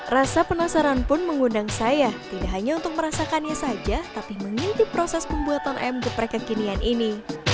rasa penasaran pun mengundang saya tidak hanya untuk merasakannya saja tapi mengintip proses pembuatan ayam geprek kekinian ini